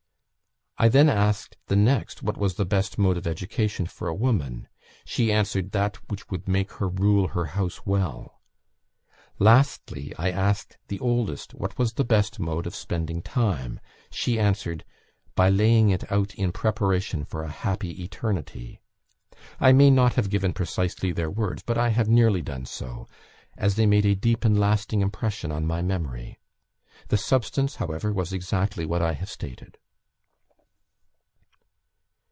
I then asked the next what was the best mode of education for a woman; she answered, 'That which would make her rule her house well.' Lastly, I asked the oldest what was the best mode of spending time; she answered, 'By laying it out in preparation for a happy eternity.' I may not have given precisely their words, but I have nearly done so, as they made a deep and lasting impression on my memory. The substance, however, was exactly what I have stated."